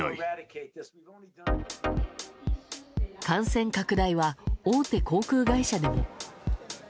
感染拡大は大手航空会社でも。